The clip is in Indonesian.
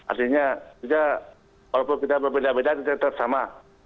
artinya walaupun kita berbeda beda kita tetap sama